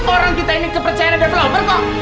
orang kita ini kepercayaan developer kok